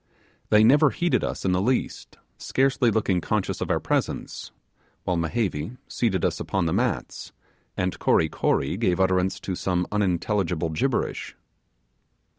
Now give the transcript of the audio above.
They never heeded us in the least, scarcely looking conscious of our presence, while Mehevi seated us upon the mats, and Kory Kory gave utterance to some unintelligible gibberish.